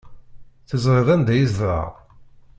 Teẓriḍ anda yezdeɣ?